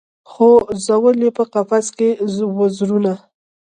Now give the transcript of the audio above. خو ځول یې په قفس کي وزرونه